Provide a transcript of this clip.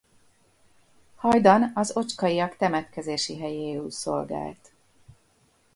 Hajdan az Ocskayak temetkezési helyéül szolgált.